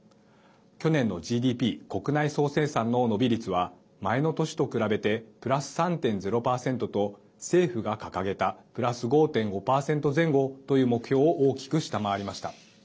去年のＧＤＰ＝国内総生産の伸び率は前の年と比べてプラス３．０％と政府が掲げたプラス５．５％前後という目標を大きく下回りました。